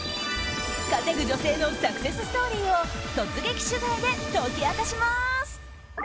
稼ぐ女性のサクセスストーリーを突撃取材で解き明かします。